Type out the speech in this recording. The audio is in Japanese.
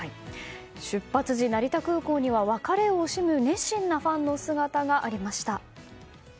出発時、成田空港には別れを惜しむ熱心なファンの姿がありました。